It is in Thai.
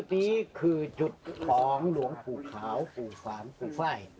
นี่คือจุดของหลวงปู่ขาวหลวงปู่ฝ่างหลวงปู่ฝ่าย